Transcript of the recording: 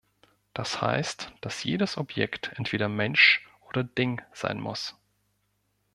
Das heißt, dass jedes Objekt entweder Mensch oder Ding sein muss.